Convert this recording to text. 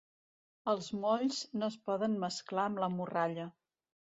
Els molls no es poden mesclar amb la morralla.